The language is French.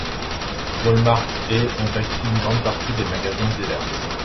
Walmart et ont acquis une grande partie des magasins Zellers.